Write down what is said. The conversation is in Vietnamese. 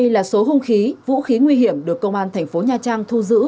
lạ số hung khí vũ khí nguy hiểm được công an tp nha trang thu giữ